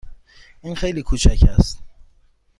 این خیلی کوچک است.